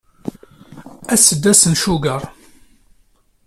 Ass-a d ass n ucegger.